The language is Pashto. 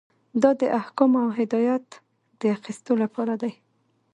دا د احکامو او هدایت د اخیستلو لپاره دی.